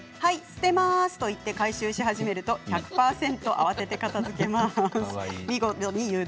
捨てますって回収し始めると１００％、慌てて片づけます。